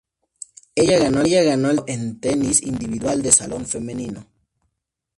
Ella ganó el torneo en tenis individual de salón femenino.